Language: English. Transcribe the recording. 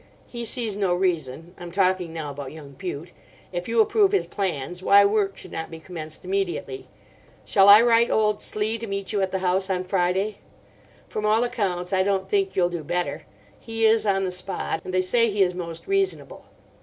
He sees no reason—I'm talking now about young Bute,—if you approve his plans, why work should not be commenced immediately. Shall I write old Slee to meet you at the house on Friday? From all accounts I don't think you'll do better. He is on the spot, and they say he is most reasonable.